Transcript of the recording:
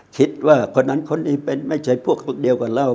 คิดว่าคนนั้นคนนี้เป็นไม่ใช่พวกเหลือคนเดียวกันแล้ว